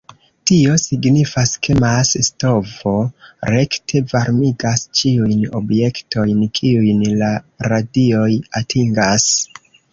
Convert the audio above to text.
Tio signifas, ke mas-stovo rekte varmigas ĉiujn objektojn, kiujn la radioj atingas.